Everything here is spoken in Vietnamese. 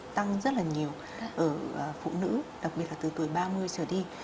tăng rất là nhiều ở phụ nữ đặc biệt là từ tuổi ba mươi trở đi